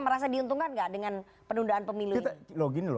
merasa diuntungkan gak dengan penundaan pemilu ini